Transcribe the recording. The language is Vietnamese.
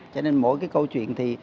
cho nên mỗi cái câu chuyện thì